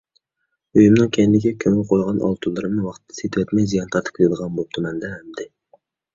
ئۆيۈمنىڭ كەينىگە كۆمۈپ قويغان ئالتۇنلىرىمنى ۋاقتىدا سېتىۋەتمەي زىيان تارتىپ كېتىدىغان بوپتىمەن-دە ئەمدى!